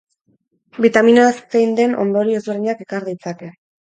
Bitamina zein den ondorio ezberdinak ekar ditzake.